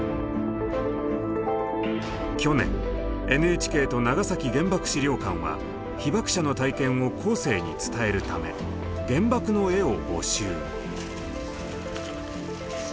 去年ＮＨＫと長崎原爆資料館は被爆者の体験を後世に伝えるため「原爆の絵」を募集。